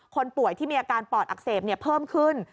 คนป่วยที่มีอาการปอดอักเสบเพิ่มขึ้น